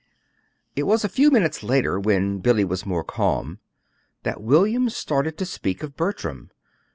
It was a few minutes later, when Billy was more calm, that William started to speak of Bertram.